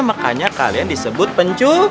makanya kalian disebut pencu